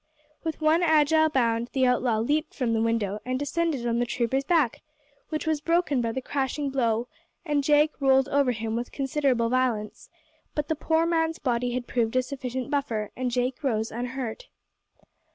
With one agile bound the outlaw leaped from the window and descended on the trooper's back, which was broken by the crashing blow, and Jake rolled over him with considerable violence, but the poor man's body had proved a sufficient buffer, and Jake rose unhurt.